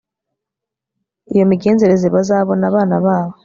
iyo migenzereze bazabona abana babo